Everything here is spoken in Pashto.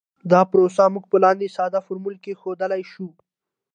دا پروسه موږ په لاندې ساده فورمول کې ښودلی شو